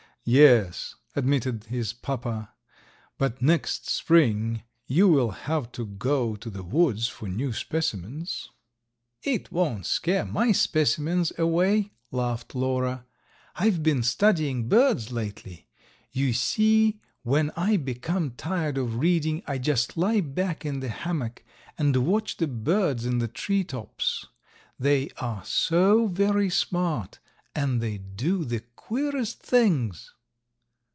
"Yes," admitted his papa, "but next spring you will have to go to the woods for new specimens." "It won't scare my specimens away," laughed Lora. "I've been studying birds lately. You see when I become tired of reading I just lie back in the hammock and watch the birds in the tree tops. They are so very smart, and they do the queerest things!"